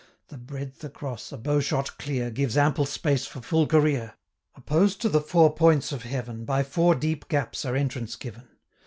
445 The breadth across, a bowshot clear, Gives ample space for full career; Opposed to the four points of heaven, By four deep gaps are entrance given.